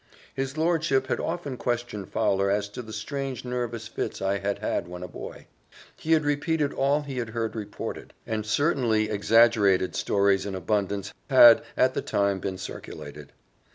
His lordship had often questioned Fowler as to the strange nervous fits I had had when a boy. He had repeated all he had heard reported; and certainly exaggerated stories in abundance had, at the time, been circulated.